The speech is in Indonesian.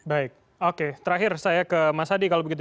baik oke terakhir saya ke mas hadi kalau begitu